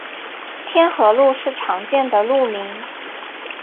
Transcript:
天河路是常见的路名。